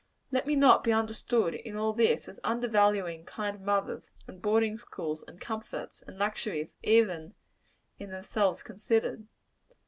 Let me not be understood, in all this, as undervaluing kind mothers, and boarding schools, and comforts and luxuries, even in themselves considered.